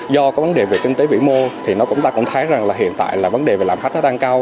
do có vấn đề về kinh tế vĩ mô thì chúng ta cũng thấy rằng là hiện tại là vấn đề về lạm phát nó đang cao